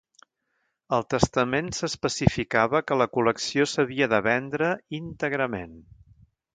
Al testament s'especificava que la col·lecció s'havia de vendre íntegrament.